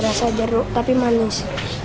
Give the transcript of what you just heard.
rasa jeruk tapi manis